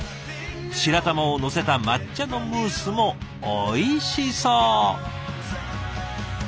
白玉をのせた抹茶のムースもおいしそう！